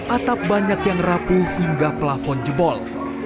atap banyak yang rapuh hingga pelafon jebol